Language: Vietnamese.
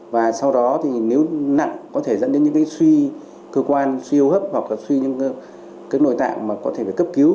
và sau đó nếu nặng có thể dẫn đến những suy cơ quan suy ưu hấp hoặc suy những nội tạng mà có thể phải cấp cứu